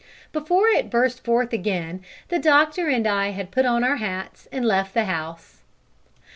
Before it burst forth again the doctor and I had put on our hats and left the house.